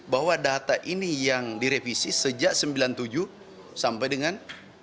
bahwa data ini yang direvisi sejak seribu sembilan ratus sembilan puluh tujuh sampai dengan dua ribu tujuh belas